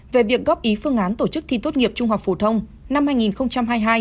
về việc góp ý phương án tổ chức thi tốt nghiệp trung học phổ thông năm hai nghìn hai mươi hai